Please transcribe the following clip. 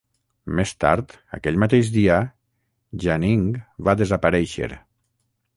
Més tard aquell mateix dia, Yaning va desaparèixer.